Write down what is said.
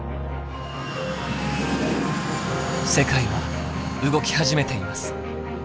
世界は動き始めています。